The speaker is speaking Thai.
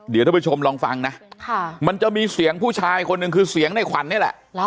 เดี๋ยวท่านผู้ชมลองฟังนะมันจะมีเสียงผู้ชายคนหนึ่งคือเสียงในขวัญนี่แหละ